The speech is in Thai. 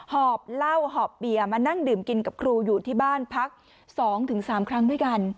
หอบเหล้าหอบเบียร์มานั่งดื่มกินกับครูอยู่ที่บ้านพัก๒๓ครั้งด้วยกัน